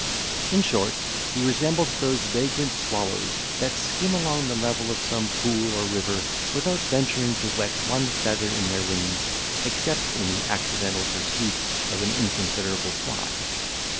In short, he resembled those vagrant swallows that skim along the level of some pool or river, without venturing to wet one feather in their wings, except in the accidental pursuit of an inconsiderable fly.